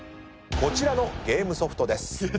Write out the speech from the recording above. こちらのゲームソフト。